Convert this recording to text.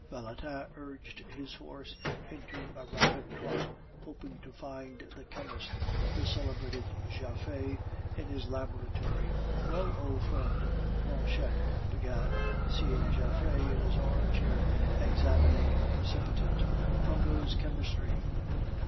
Valentin urged his horse into a rapid trot, hoping to find the chemist, the celebrated Japhet, in his laboratory. "Well, old friend," Planchette began, seeing Japhet in his armchair, examining a precipitate; "how goes chemistry?"